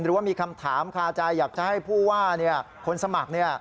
หรือว่ามีคำถามคาใจอยากจะให้ผู้ว่าคนสมัคร